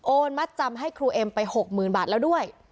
มัดจำให้ครูเอ็มไป๖๐๐๐บาทแล้วด้วย